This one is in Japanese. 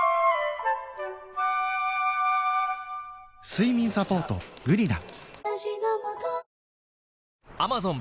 睡眠サポート「グリナ」